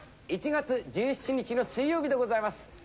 １月１７日の水曜日でございます。